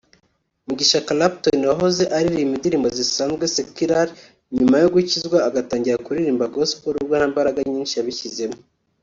Mugisha Clapton wahoze aririmba indirimbo zisanzwe (Secular) nyuma yo gukizwa agatangira kuririmba Gospel nubwo nta mbaraga nyinshi yabishyizemo